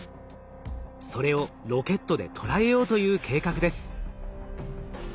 それをロケットでとらえようという計画です。